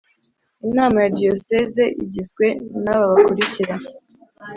inama ya diyoseze igizwe n aba bakurikira